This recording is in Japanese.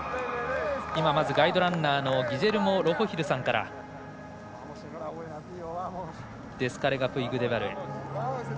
まずガイドランナーのギジェルモ・ロホヒルさんからデスカレガプイグデバル。